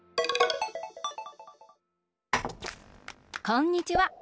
こんにちは。